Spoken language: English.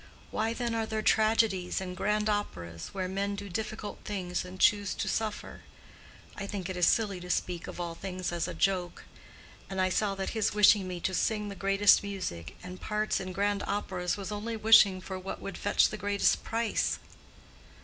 Why then are there tragedies and grand operas, where men do difficult things and choose to suffer? I think it is silly to speak of all things as a joke. And I saw that his wishing me to sing the greatest music, and parts in grand operas, was only wishing for what would fetch the greatest price.